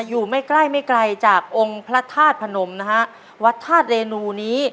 อยู่ไม่ใกล้ไม่ไกลจากองค์พระธาตุพนมนะฮะวัดธาตุเรนูนี้